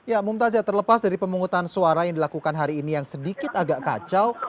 ya mumtazah terlepas dari pemungutan suara yang dilakukan hari ini yang sedikit agak kacau